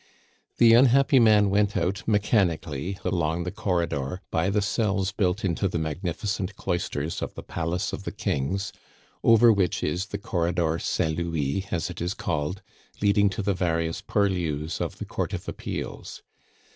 The unhappy man went out mechanically, along the corridor, by the cells built into the magnificent cloisters of the Palace of the Kings, over which is the corridor Saint Louis, as it is called, leading to the various purlieus of the Court of Appeals.